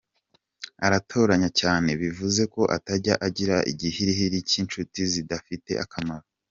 Aratoranya cyane, bivuze ko atajya agira igihiriri cy’inshuti zidafiter akamaro.